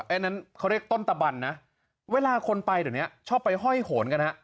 อันนั้นเขาเรียกต้นตะบันนะเวลาคนไปเดี๋ยวนี้ชอบไปห้อยโหนกันฮะ